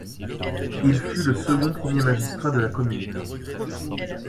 Il fut le second premier magistrat de la commune.